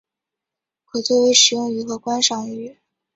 可作为食用鱼和观赏鱼。